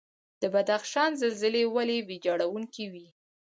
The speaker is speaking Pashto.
د بدخشان زلزلې ولې ویجاړونکې وي؟